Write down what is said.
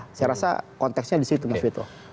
saya rasa konteksnya di situ mas vito